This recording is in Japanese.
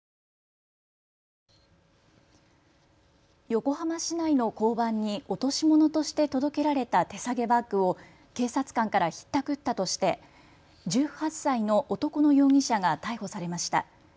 横浜市内の交番に落とし物として届けられた手提げバッグを警察官からひったくったとして１８歳の男の容疑者が逮捕されました。